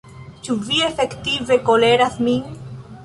Ĉu vi efektive koleras min?